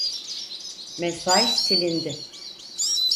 Mesaj silindi.